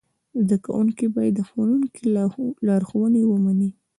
زده کوونکي باید د ښوونکي لارښوونې ومني.